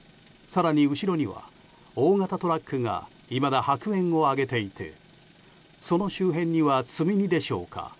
更に後ろには、大型トラックがいまだ白煙を上げていてその周辺には積み荷でしょうか。